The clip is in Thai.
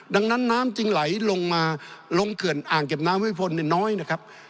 ดังนั้นน้ำจึงไหลลงมาลงเขื่อนอ่างเก็บน้ำวิพลน้อยนะครับ